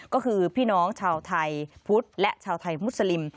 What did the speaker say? ก็คือพี่น้องชาวไทยพุทธและชาวไทยมุสลิม